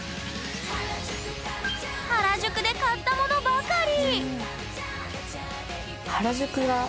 原宿で買ったものばかり！